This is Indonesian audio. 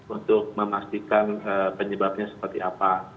untuk memastikan penyebabnya seperti apa